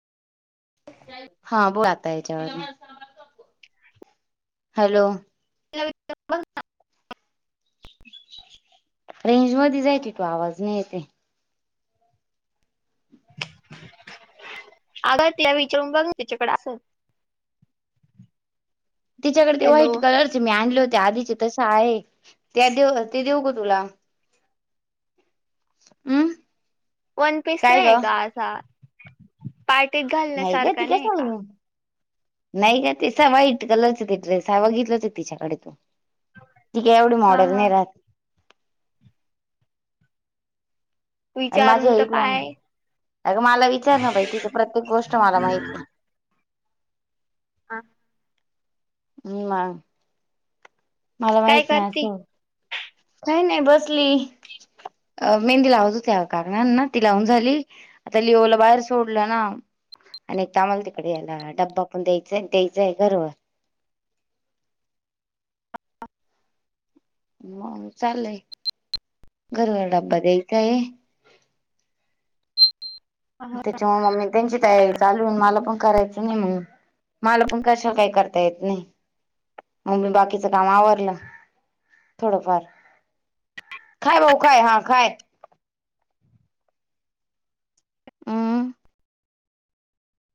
हा बोल आता याच्यावर. हॅलो, [unintelligible] रेंज मध्ये जाय की तुझा आवाज नाही येते. अड तिला विचारून बघ त्याच्याकडे असल. [inaudible] तिच्याकडे ते हॅलो व्हाईट कलरचे मी आणले होते. आधीचे तसं आहे. त्या देऊ ते देऊ ग तुला हम्. वन पीस काय नाही ग आहे का असा? पार्टीत का घालण्यासारखा ती काय नाही का? सांग नाही गं तसा व्हाईट कलरचा ते ड्रेस हा बघितलाच तिच्याकडे ती काय एवढी हा मॉडेल हा नाही राहते. अगं माझ विचारून तर ऐकना. पाय अग मला विचार ना बाई. तिच प्रत्येक गोष्ट मला माहिती आहे. हा. म मग मला काय माहित नाही करती असं, काही नाही बसली. अ मेहंदी लावत होत्या काकंना ती लावून झाली. आता लिओला बाहेर सोडलं ना. आणि एक तांमाल तिकडे यायला डब्बा पण द्यायचाय द्यायचंय घरोघर. हो चालय, घरोघर डब्बा द्यायचय. त्याच्या मम्मी त्यांची तयारी चालू मला पण करायचं नाही म्हणून. मला पण कशा काही करता येत नाही, मग मी बाकीचं काम आवरलं. थोडंफार, खाय बऊ खाय हा खाय. हमं.